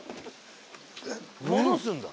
戻すんだ。